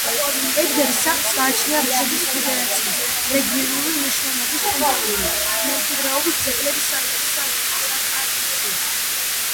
ებერგის სახლს გააჩნია რუსეთის ფედერაციის რეგიონალური მნიშვნელობის კულტურული მემკვიდრეობის ძეგლის სტატუსი.